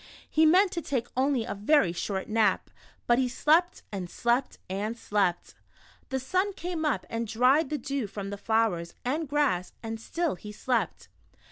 He meant to take only a very short nap, but he slept The Shadow. 95 and slept and slept. The sun came up and dried the dew from the flowers and grass, and still he slept